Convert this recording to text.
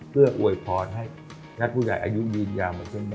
เพื่ออวยพรให้ญาติภูมิใหญ่อายุมีเหล้าเหมือนเส้นบะหมี่